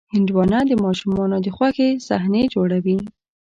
هندوانه د ماشومانو د خوښې صحنې جوړوي.